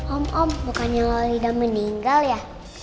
om om bukannya loli udah meninggal ya